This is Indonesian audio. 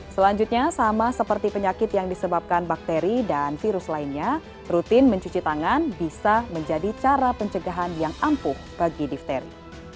selanjutnya sama seperti penyakit yang disebabkan bakteri dan virus lainnya rutin mencuci tangan bisa menjadi cara pencegahan yang ampuh bagi difteri